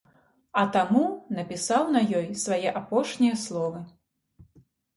А таму напісаў на ёй свае апошнія словы.